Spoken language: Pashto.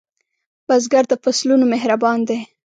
بزګر د فصلونو مهربان دی